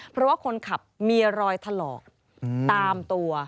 เพราะว่าคนขับมีรอยถลอกตามตัว